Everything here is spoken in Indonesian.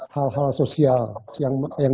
hal hal sosial yang